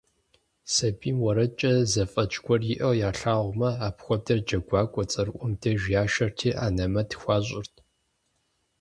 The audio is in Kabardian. Сабийм уэрэдкӀэ зэфӀэкӀ гуэр иӀэу ялъагъумэ, апхуэдэр джэгуакӀуэ цӀэрыӀуэм деж яшэрти анэмэт хуащӀырт.